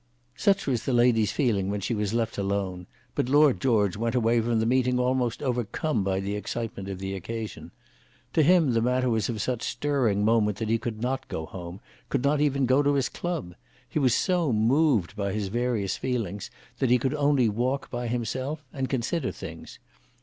Such was the lady's feeling when she was left alone; but Lord George went away from the meeting almost overcome by the excitement of the occasion. To him the matter was of such stirring moment that he could not go home, could not even go to his club. He was so moved by his various feelings, that he could only walk by himself and consider things.